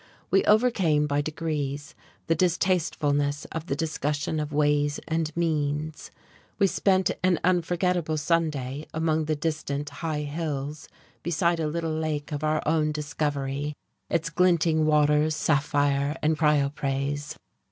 We overcame by degrees the distastefulness of the discussion of ways and means.... We spent an unforgettable Sunday among the distant high hills, beside a little lake of our own discovery, its glinting waters sapphire and chrysoprase.